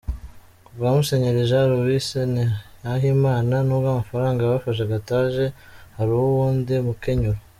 Kubwa Musenyeri Jean Louis Nahimana, nubwo amafaranga y'ababafasha ataje, hariwo uwundi mukenyuro.